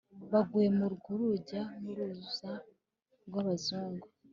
baguye mu rw’urujya n’uruza rw’Abazungu